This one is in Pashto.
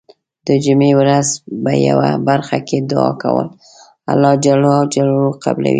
د جمعې ورځې په یو برخه کې دعا کول الله ج قبلوی .